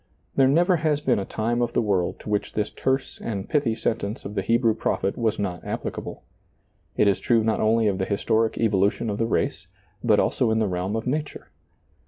There never has been a time of the world to which this terse and pithy sentence of the Hebrew prophet was not applicable. It is true not only of the historic evolution of the race, but also in the realm of nature.